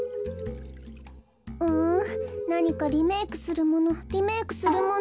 うんなにかリメークするものリメークするもの。